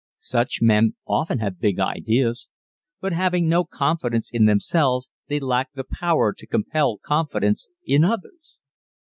_Such men often have big ideas, but having no confidence in themselves they lack the power to compel confidence in others.